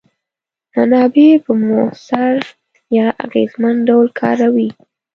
منابع په موثر یا اغیزمن ډول کاروي.